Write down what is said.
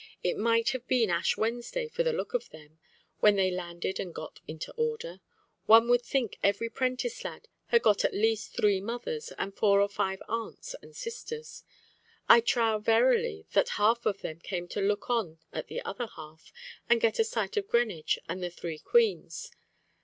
"It might have been Ash Wednesday for the look of them, when they landed and got into order. One would think every prentice lad had got at least three mothers, and four or five aunts and sisters! I trow, verily, that half of them came to look on at the other half, and get a sight of Greenwich and the three queens.